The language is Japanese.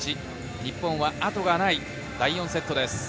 日本は後がない第４セットです。